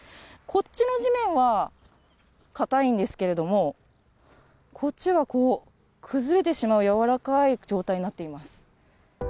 こっちの地面は硬いんですけれども、こっちはこう、崩れてしまう軟らかい状態になっています。